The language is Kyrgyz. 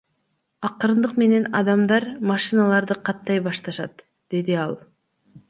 Акырындык менен адамдар машиналарды каттай башташат, — деди ал.